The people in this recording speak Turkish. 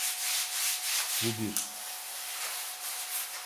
Bu bir...